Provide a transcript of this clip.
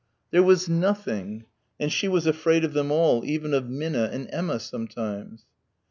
There was nothing ... and she was afraid of them all, even of Minna and Emma sometimes.